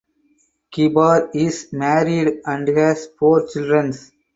Kibar is married and has four children.